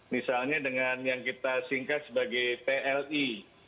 misalnya dengan yang kita singkat sebagai pli